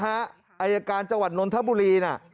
อายการจังหวัดนนทบุรีน่ะ